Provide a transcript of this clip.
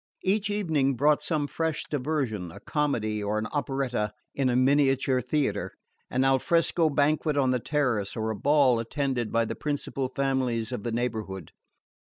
Each evening brought some fresh diversion: a comedy or an operetta in the miniature theatre, an al fresco banquet on the terrace or a ball attended by the principal families of the neighbourhood.